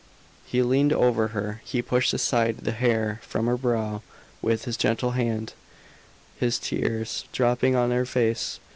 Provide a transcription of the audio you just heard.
He leaned over her, he pushed aside the hair from her brow with his gentle hand, his tears dropping on her face.